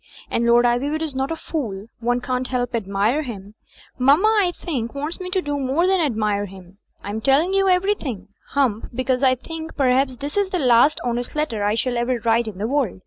And Lord Ivywood is not a fool; one can't help admirJ% him. Mamma, I think, wants me to do more than admire him. I am telling you everything. Hump, because I think perhaps 41 Digitized by CjOOQ IC 42 THE FLYING INN this is the last honest letter I shall ever write in the world.